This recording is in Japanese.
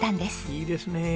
いいですねえ。